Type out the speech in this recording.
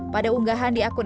pada unggahan diakun